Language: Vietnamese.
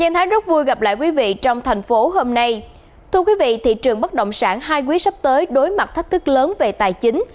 thưa quý vị thị trường bất động sản hai quý sắp tới đối mặt thách thức lớn về tài chính